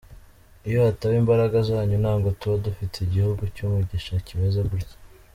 Iyo hataba imbaraga zanyu, ntabwo tuba dufite igihugu cy’umugisha kimeze gutya.”